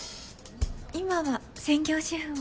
今は専業主婦を。